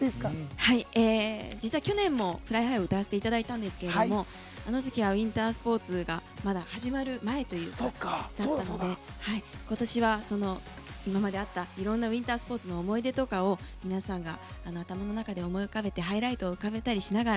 実は去年も「ＦｌｙＨｉｇｈ」を歌わせていただいたんですがあの時は、ウインタースポーツが始まる前だったので今年は、今まであったいろんなウインタースポーツの思い出とかを皆さんが頭の中で思い浮かべてハイライトを浮かべたりしながら。